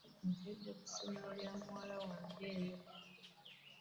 Nkedde ku ssomero lya muwala wange eyo.